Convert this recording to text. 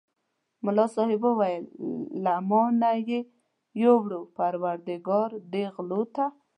ملا صاحب وویل له ما نه یې یووړ پرودګار دې غلو ته.